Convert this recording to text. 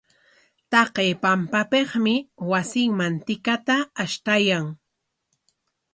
Taqay pampapikmi wasinman tikata ashtaykan.